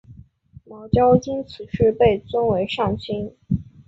茅焦因此事被尊为上卿。